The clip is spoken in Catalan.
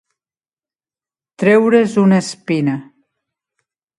Treure's una espina.